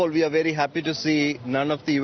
oke biar saya terlebih dahulu bicara tentang natuna dulu